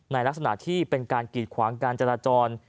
ในลักษณะที่เป็นการกีดขวางการจราจร